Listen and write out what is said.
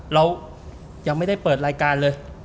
เรายังไม่ได้เปิดรายการเลย